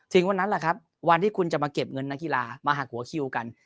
วันนั้นแหละครับวันที่คุณจะมาเก็บเงินนักกีฬามาหักหัวคิวกัน